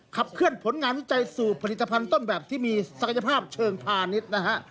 ขับเคลื่อนผลงานวิจัยสูตรผลิตภัณฑ์ต้นแบบที่มีศักยภาพเชิงพาณิชย์นะฮะ